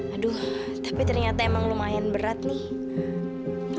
aduh tapi ternyata emang lumayan berat nih